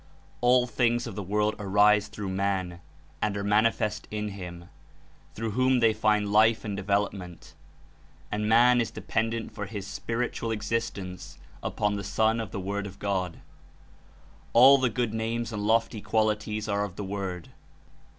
''All things of the world arise through man and are manifest in him, through whom they find life and development; and man is dependent for his (Spirit ual) existence upon the Sun of the JFord of God. All the good names and lofty qualities are of the Word.